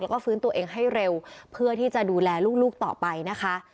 แล้วก็ฟื้นตัวเองให้เร็วเพื่อที่จะดูแลลูกต่อไปนะคะ